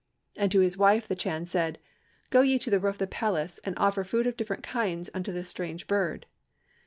And to his wife the Chan said, 'Go ye to the roof of the palace, and offer food of different kinds unto this strange bird.'